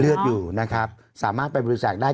เลือดอยู่นะครับสามารถไปบริจาคได้